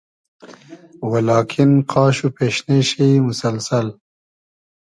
و لاکین قاش وپېشنې شی موسئلسئل